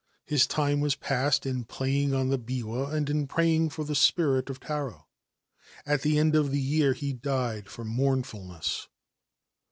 His time was passed playing on the biwa and in praying for the spirit of Ta At the end of the year he died from mournfulness.